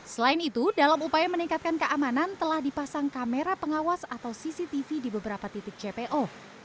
selain itu dalam upaya meningkatkan keamanan telah dipasang kamera pengawas atau cctv di beberapa titik jpo